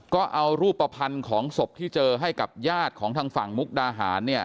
ก็เอารูปภัณฑ์ของศพที่เจอให้กับญาติของทางฝั่งมุกดาหารเนี่ย